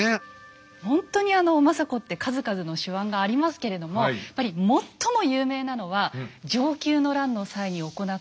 ほんとに政子って数々の手腕がありますけれどもやっぱり最も有名なのは承久の乱の際に行った政子の演説ですよね。